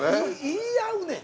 言い合うねん。